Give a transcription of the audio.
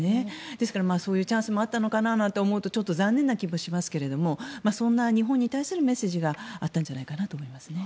ですので、そういうチャンスもあったのかなと思うとちょっと残念な気もしますがそんな日本に対するメッセージがあったんじゃないかなと思いますね。